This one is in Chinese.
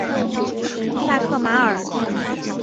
萨克马尔。